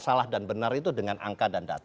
salah dan benar itu dengan angka dan data